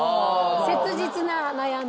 切実な悩み。